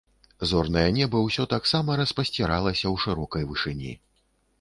Зорнае неба ўсё таксама распасціралася ў шырокай вышыні.